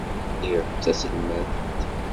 Lliɣ d taselmadt.